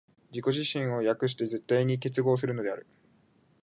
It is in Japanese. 自己自身を翻して絶対に結合するのである。